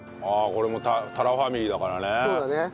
ああこれもたらファミリーだからね。